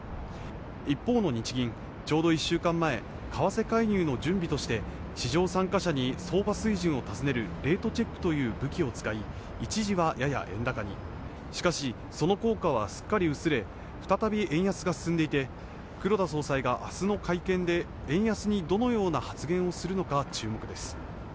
一方の日銀ちょうど１週間前為替介入の準備として市場参加者に相場水準を尋ねるレートチェックという武器を使い一時はやや円高にしかしその効果はすっかり薄れ再び円安が進んでいて黒田総裁があすの会見で円安にどのような発言をするのか注目です